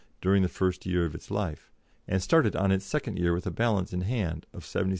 during the first year of its life, and started on its second year with a balance in hand of £77 5s.